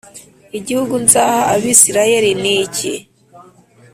igihugu nzaha Abisirayeli niki